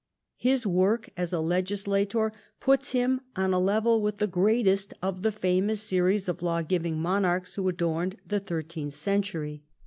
His work as a legislator puts him on a level with the greatest of the famous series of law giving monarchs who adorned the thirteenth century.